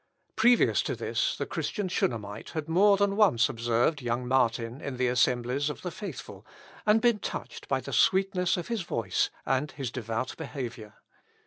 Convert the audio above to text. Previous to this the Christian Shunammite had more than once observed young Martin in the assemblies of the faithful, and been touched by the sweetness of his voice, and his devout behaviour.